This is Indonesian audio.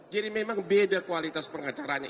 jadi memang beda kualitas pengacaranya